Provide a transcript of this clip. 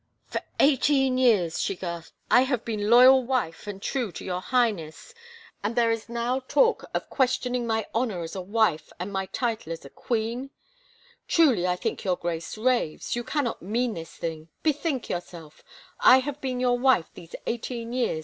" For eighteen years," she gasped, " I have been loyal wife and true to your Highness and is there now talk of 133 THE FAVOR OF KINGS questioning my honor as a wife and my title as a queen ? Truly, I think your Grace raves, you cannot mean this thing I Bethink yourself I I have been your wife these eighteen years.